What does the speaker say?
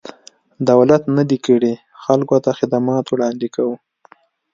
دولت نه دی کړی، خلکو ته خدمات وړاندې کوو.